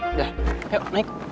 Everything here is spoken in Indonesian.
udah yuk naik